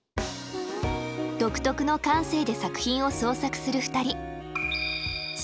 独特の感性で作品を創作する２人。